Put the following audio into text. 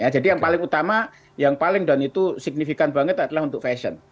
jadi yang paling utama yang paling dan itu signifikan banget adalah untuk fashion